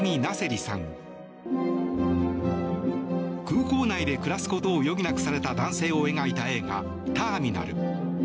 空港内で暮らすことを余儀なくされた男性を描いた映画「ターミナル」。